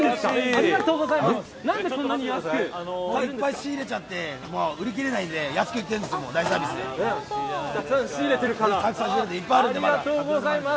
いっぱい仕入れちゃって売り切れないので安く売っているんです。